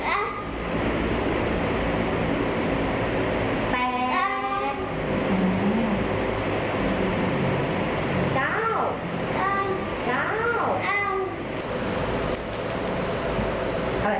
๑๗บาทดานมือสติปัญญาน้ำน้ำของสติปัญญา